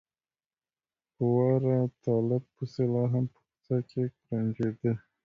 په واړه طالب پسې لا هم په کوڅه کې کوړنجېده.